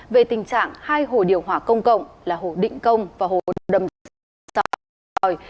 về tình trạng hai hồ điều hòa công cộng là hồ định công và hồ đầm định công